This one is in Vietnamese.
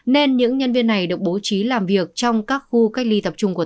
nên những nhân viên này được bố trí làm việc trong các khu cách ly tập trung của